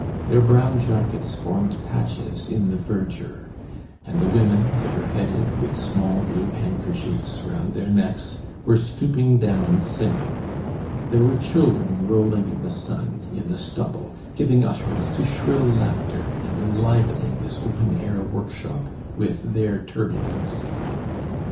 Their brown jackets formed patches in the verdure. And the women, bareheaded, with small blue handkerchiefs round their necks, were stooping down singing. There were children rolling in the sun, in the stubble, giving utterance to shrill laughter and enlivening this open air workshop with their turbulency.